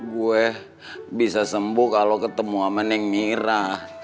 gue bisa sembuh kalau ketemu sama neng mira